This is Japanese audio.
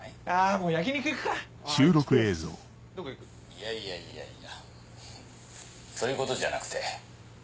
いやいやいやいやそういうことじゃなくて。